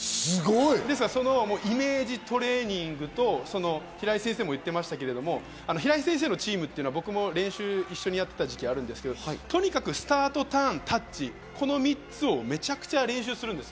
ですからイメージトレーニングと平井先生も言ってましたけど、平井先生のチームっていうのは、僕も一緒に練習をやってた時期があるんですけど、とにかくスタート、ターン、タッチ、この３つをめちゃくちゃ練習するんです。